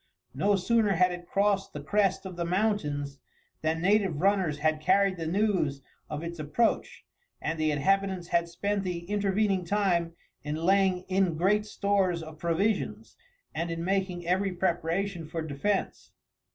No sooner had it crossed the crest of the mountains than native runners had carried the news of its approach, and the inhabitants had spent the intervening time in laying in great stores of provisions, and in making every preparation for defence.